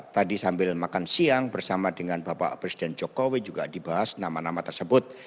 tadi sambil makan siang bersama dengan bapak presiden jokowi juga dibahas nama nama tersebut